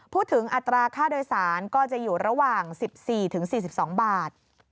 อัตราค่าโดยสารก็จะอยู่ระหว่าง๑๔๔๒บาท